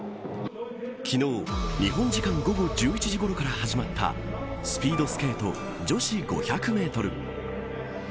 昨日、日本時間午後１１時ごろから始まったスピードスケート女子５００メートル。